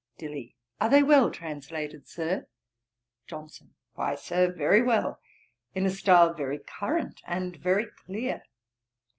DILLY. 'Are they well translated, Sir?' JOHNSON. 'Why, Sir, very well in a style very current and very clear.